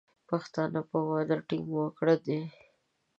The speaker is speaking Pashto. پښتانه په وعده ټینګ وګړي دي.